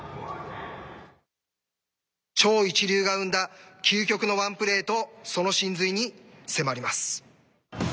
超一流が生んだ究極のワンプレーとその真髄に迫ります。